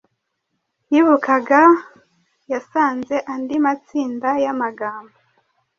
yibukaga yasanze andi matsinda yamagambo